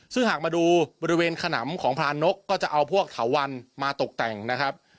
ซึ่งหากมาดูบริเวณขนำของพรานกก็จะเอาพวกเถาวันมาตกแต่งนะครับ